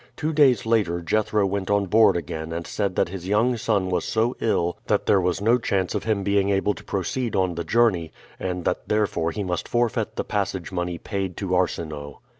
Two days later Jethro went on board again and said that his young son was so ill that there was no chance of him being able to proceed on the journey, and that therefore he must forfeit the passage money paid to Arsinoe.